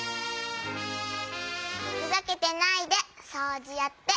ふざけてないでそうじやって。